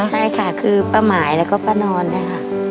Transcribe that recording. ใช่ค่ะคือป้าหมายแล้วก็ป้านอนนะครับ